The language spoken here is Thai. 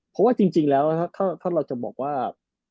เพราะว่าจริงแล้วนะครับถ้าเราจะบอกว่า